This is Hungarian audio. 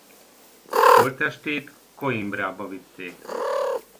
Holttestét Coimbrába vitték.